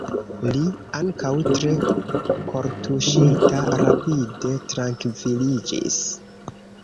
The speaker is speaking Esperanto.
Li, ankaŭ tre kortuŝita, rapide trankviliĝis.